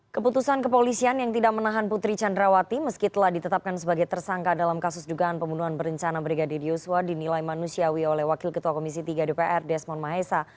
keputusan kepolisian yang tidak menahan putri candrawati meski telah ditetapkan sebagai tersangka dalam kasus dugaan pembunuhan berencana brigadir yosua dinilai manusiawi oleh wakil ketua komisi tiga dpr desmond mahesa